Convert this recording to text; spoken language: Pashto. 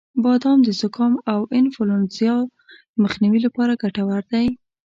• بادام د زکام او انفلونزا د مخنیوي لپاره ګټور دی.